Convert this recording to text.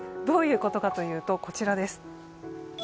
どういうことかというと、こちらです。